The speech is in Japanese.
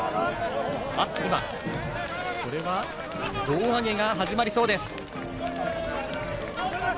今、胴上げが始まりそうです。